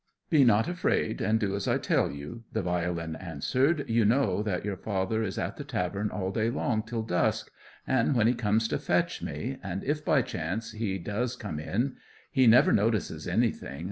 "Be not afraid, but do as I tell you," the violin answered; "you know that your father is at the tavern all day long till dusk, when he comes to fetch me, and if, by chance, he does come in, he never notices anything.